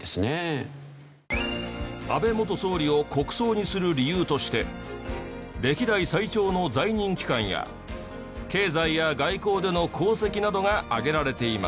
安倍元総理を国葬にする理由として歴代最長の在任期間や経済や外交での功績などが挙げられています。